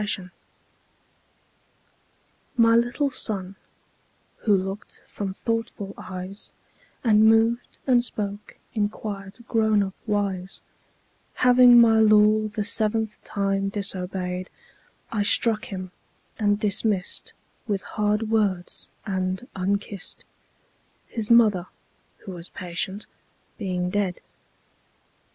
The Toys MY little Son, who look'd from thoughtful eyes And moved and spoke in quiet grown up wise, Having my law the seventh time disobey'd, I struck him, and dismiss'd With hard words and unkiss'd, 5 —His Mother, who was patient, being dead.